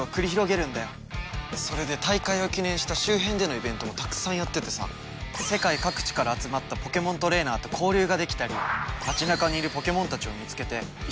それで大会を記念した周辺でのイベントもたくさんやっててさ世界各地から集まったポケモントレーナーと交流ができたり街中にいるポケモンたちを見つけて一緒に写真も撮れるんだ。